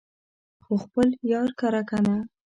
خو خپل يار لره کنه